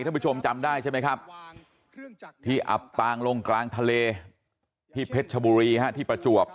ท่านผู้ชมจำได้ใช่ไหมครับที่อับปางลงกลางทะเลที่เพชรชบุรีที่ประจวบ